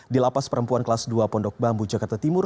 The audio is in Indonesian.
di lapas perempuan kelas dua pondok bambu jakarta timur